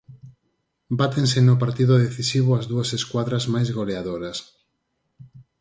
Bátense no partido decisivo as dúas escuadras máis goleadoras.